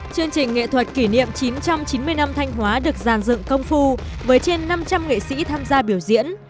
chương trình nghệ thuật kỷ niệm chín trăm chín mươi năm thanh hóa được giàn dựng công phu với trên năm trăm linh nghệ sĩ tham gia biểu diễn